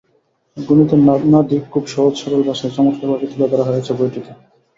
গণিতের নানা দিক খুব সহজ-সরল ভাষায় চমত্কারভাবে তুলে ধরা হয়েছে বইটিতে।